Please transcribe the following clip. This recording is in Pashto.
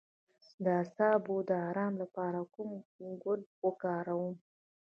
د اعصابو د ارام لپاره کوم ګل وکاروم؟